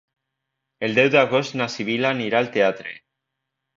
El deu d'agost na Sibil·la anirà al teatre.